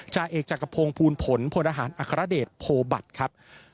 จ่าเอกจักรพงศ์ภูลผลพลหารอัครเดชโพบัตรครับ